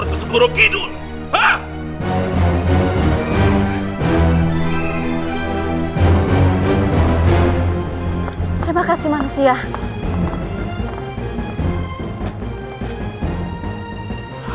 kalau menurutmu manusia sudah usir